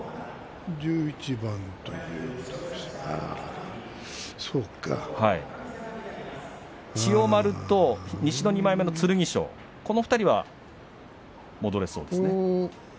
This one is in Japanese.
１１番千代丸と西の２枚目の剣翔この２人は戻れそうですね。